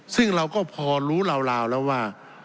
ซึ่งเราก็พอรู้ราวแล้วว่า